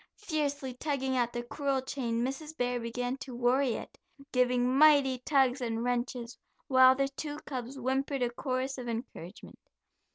Fiercely tugging at the cruel chain Mrs. Bear began to worry it, giving mighty tugs and wrenches, while the two cubs whimpered a chorus of encouragement.